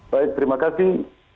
baik terima kasih